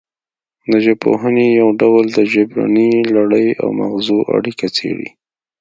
د ژبپوهنې یو ډول د ژبنۍ لړۍ او مغزو اړیکه څیړي